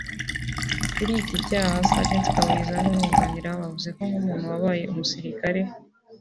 Kuri iki cyaha Sgt Kabayiza n’umwunganira bavuze ko nk’umuntu wabaye umusirikare